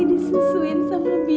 maafin aku pak